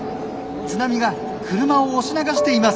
津波が車を押し流しています。